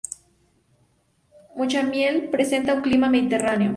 Muchamiel presenta un clima mediterráneo.